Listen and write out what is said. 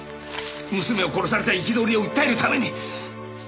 娘を殺された憤りを訴えるために。